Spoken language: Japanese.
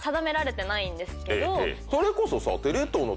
それこそさ。